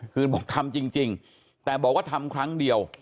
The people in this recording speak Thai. คือบอกทำจริงแต่บอกว่าทำครั้งเดียว